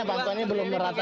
bantuan ini belum berat